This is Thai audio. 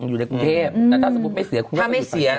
อยู่ในกรุงเทพแต่ถ้าสมมุติไม่เสีย